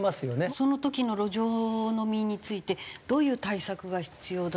その時の路上飲みについてどういう対策が必要だと思いますか？